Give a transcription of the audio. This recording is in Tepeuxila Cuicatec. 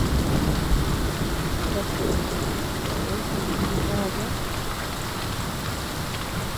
Kajobe cheʼe nichi daya.